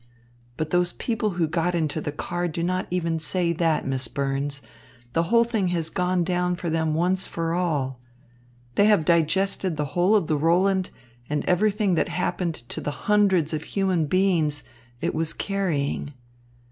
But those people who got into the car do not even say that, Miss Burns. The whole thing has gone down for them once for all. They have digested the whole of the Roland and everything that happened to the hundreds of human beings it was carrying.